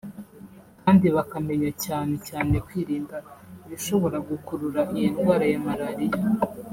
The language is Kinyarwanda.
kandi bakamenya cyane cyane kwirinda ibishobora gukurura iyi ndwara ya malaria